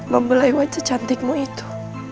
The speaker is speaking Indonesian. membelai wajah cantikmu itu